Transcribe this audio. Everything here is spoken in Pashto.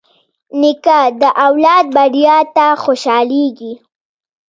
نیکه د اولاد بریا ته خوشحالېږي.